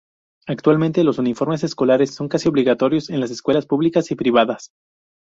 Actualmente, los uniformes escolares son casi obligatorios en las escuelas públicas y privadas.